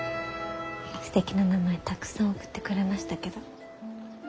すてきな名前たくさん送ってくれましたけど。